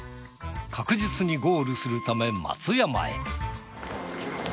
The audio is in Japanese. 確実にゴールするため松山へ。